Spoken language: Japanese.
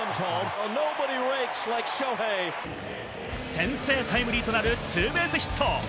先制タイムリーとなるツーベースヒット。